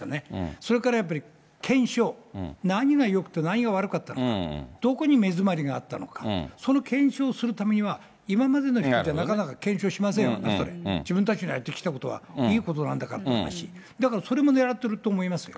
それからやっぱり、検証、何がよくて何が悪かったのか、どこに目詰まりがあったのか、その検証するためには、今までの人じゃなかなか検証しませんよね、それ、自分たちのやってきたことはいいことなんだからということになるし、だから、それもねらっていると思いますよ。